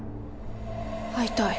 会いたい。